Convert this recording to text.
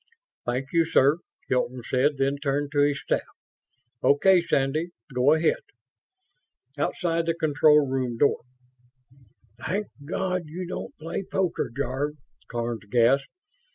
"Thank you, sir," Hilton said, then turned to his staff. "Okay, Sandy, go ahead." Outside the control room door, "Thank God you don't play poker, Jarve!" Karns gasped.